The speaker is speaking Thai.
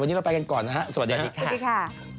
วันนี้เราไปกันก่อนนะฮะสวัสดีครับสวัสดีค่ะ